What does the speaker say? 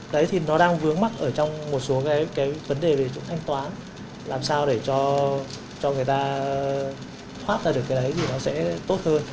đấy thì nó đang vướng mắt ở trong một số cái vấn đề về chỗ thanh toán làm sao để cho người ta thoát ra được cái đấy thì nó sẽ tốt hơn